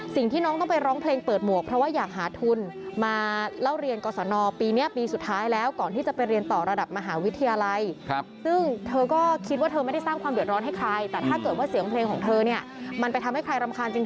สิ่งที่น้องต้องไปร้องเพลงเปิดหมวกเพราะว่าอยากหาทุน